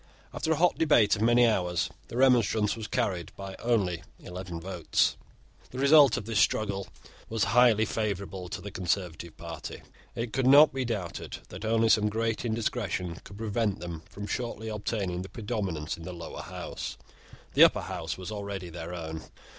After a hot debate of many hours, the remonstrance was carried by only eleven votes. The result of this struggle was highly favourable to the conservative party. It could not be doubted that only some great indiscretion could prevent them from shortly obtaining the predominance in the Lower House. The Upper House was already their own.